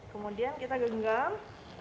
kemudian kita genggam